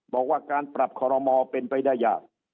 บอกว่าการปรับคอรมอลเป็นไปได้ยาก